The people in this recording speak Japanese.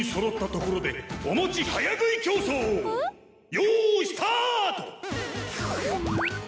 よーいスタート！